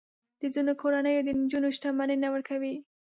د ځینو کورنیو د نجونو شتمني نه ورکوي.